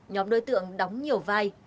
nhóm đối tượng đóng nhiều vai